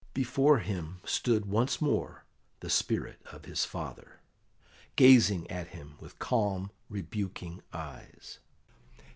Before him stood once more the spirit of his father, gazing at him with calm, rebuking eyes.